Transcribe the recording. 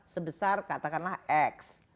sebesar katakanlah x